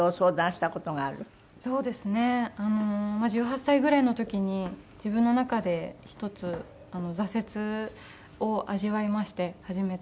１８歳ぐらいの時に自分の中で一つ挫折を味わいまして初めて。